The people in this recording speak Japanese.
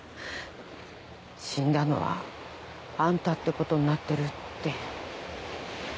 死んだのはあんたってことになってるって。